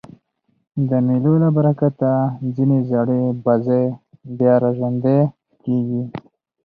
د مېلو له برکته ځیني زړې بازۍ بیا راژوندۍ کېږي.